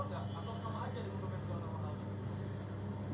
atau sama aja di bentuk pensional mahal